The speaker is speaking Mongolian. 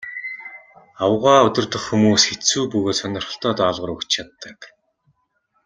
Аугаа удирдах хүмүүс хэцүү бөгөөд сонирхолтой даалгавар өгч чаддаг.